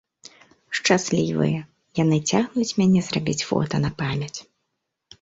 Шчаслівыя, яны цягнуць мяне зрабіць фота на памяць.